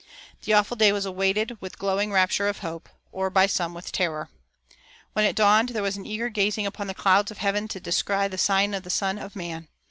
The awful day was awaited with glowing rapture of hope, or by some with terror. When it dawned there was eager gazing upon the clouds of heaven to descry the sign of the Son of man.